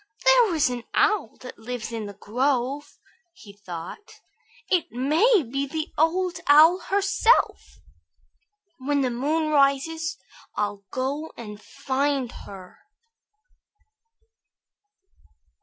"There is an owl that lives in the grove," he thought. "It may be the Old Owl herself. When the moon rises, I'll go and find her."